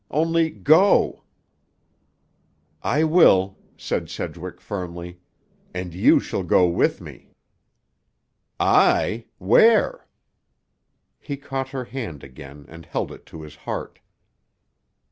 Only go." "I will," said Sedgwick firmly. "And you shall go with me." "I! Where?" He caught her hand again and held it to his heart.